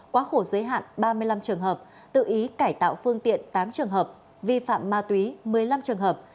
quá khổ giới hạn ba mươi năm trường hợp tự ý cải tạo phương tiện tám trường hợp vi phạm ma túy một mươi năm trường hợp